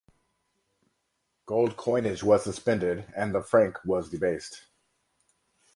Gold coinage was suspended and the franc was debased.